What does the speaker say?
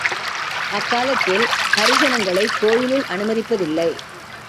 அக்காலத்தில் ஹரிஜனங்களை கோயிலுள் அனுமதிப்புதில்லை.